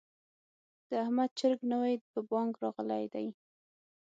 د احمد چرګ نوی په بانګ راغلی دی.